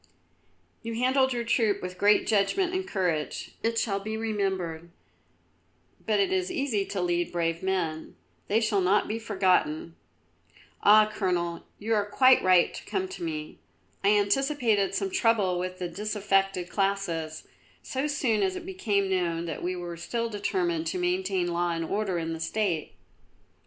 "You handled your troop with great judgment and courage. It shall be remembered. But it is easy to lead brave men; they shall not be forgotten. Ah, Colonel, you are quite right to come to me. I anticipated some trouble with the disaffected classes, so soon as it became known that we were still determined to maintain law and order in the State."